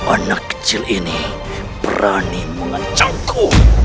anak kecil ini berani mengancamku